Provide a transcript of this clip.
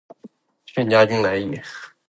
炫家军来也！